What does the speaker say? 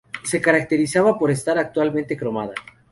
Se caracterizaba por estar altamente cromada.